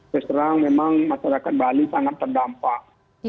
saya serang memang masyarakat bali sangat terdampak